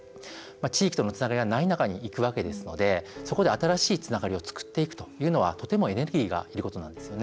地域とのつながりがない中にいくわけですのでそこで新しいつながりを作っていくことはとてもエネルギーがいることなんです。